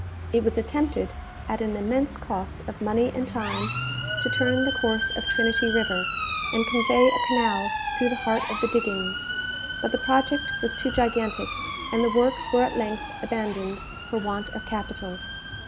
It was attempted, at an immense cost of money and time, to turn the course of Trinity river, and convey a canal through the heart of the diggings; but the project was too gigantic, and the works were at length abandoned for want of capital.